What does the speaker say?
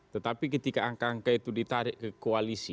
tetapi ketika angka angka itu ditarik ke koalisi